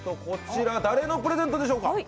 こちら誰のプレゼントでしょうか？